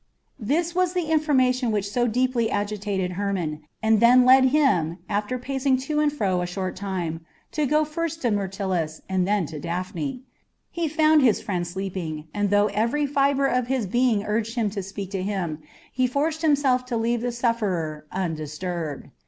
This was the information which had so deeply agitated Hermon, and then led him, after pacing to and fro a short time, to go first to Myrtilus and then to Daphne. He had found his friend sleeping, and though every fibre of his being urged him to speak to him, he forced himself to leave the sufferer undisturbed.